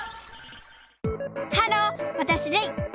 ハローわたしレイ！